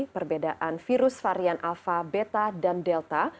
perbedaan virus varian alpha beta dan delta